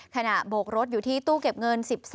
โบกรถอยู่ที่ตู้เก็บเงิน๑๓